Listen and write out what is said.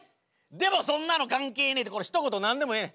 でもそんなの関係ねえ！ってこのひと言何でもええ。